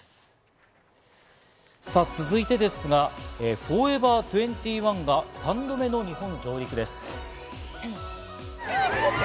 後日ですが、お別れの会が予続いてですが、フォーエバー２１が３度目の日本上陸です。